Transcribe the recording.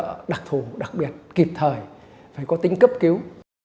cái gói hỗ trợ đặc thù đặc biệt kịp thời phải có tính cấp cứu